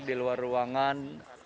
di luar ruangan